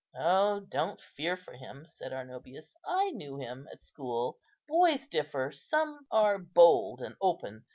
"Oh, don't fear for him!" said Arnobius; "I knew him at school. Boys differ; some are bold and open.